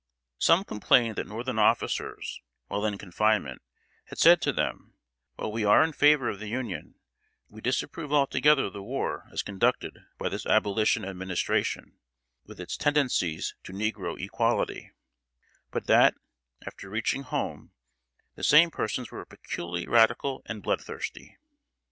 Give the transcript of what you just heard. Some complained that Northern officers, while in confinement, had said to them: "While we are in favor of the Union, we disapprove altogether the war as conducted by this Abolition Administration, with its tendencies to negro equality;" but that, after reaching home, the same persons were peculiarly radical and bloodthirsty.